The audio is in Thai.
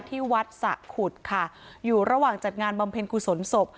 ที่วัดสะขุดค่ะอยู่ระหว่างจัดงานบำเพ็ญกุศลศพ